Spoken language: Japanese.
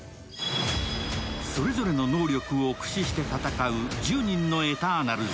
それぞれの能力を駆使して戦う１０人のエターナルズ。